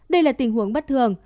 đây là tình huống bất thường